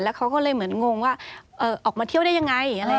เขาก็เลยเหมือนงงว่าออกมาเที่ยวได้ยังไง